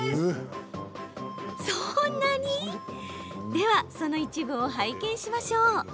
では、その一部を拝見しましょう。